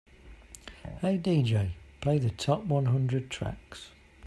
"Hey DJ, play the top one hundred tracks"